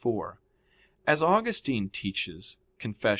4: As Augustine teaches (Confess.